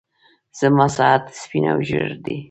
زما ساعت سپين او ژړ دی.